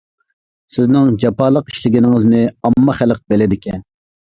سىزنىڭ جاپالىق ئىشلىگىنىڭىزنى ئامما، خەلق بىلىدىكەن.